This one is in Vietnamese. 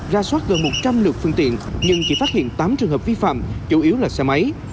ra soát gần một trăm linh lượt phương tiện nhưng chỉ phát hiện tám trường hợp vi phạm chủ yếu là xe máy